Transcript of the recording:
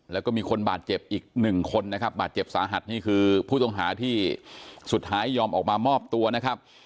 แล้วก็มีคนบาดเจ็บอีกหนึ่งคนนะครับบาดเจ็บสาหัสนี่คือผู้ต้องหาที่สุดท้ายยอมออกมามอบตัวนะครับ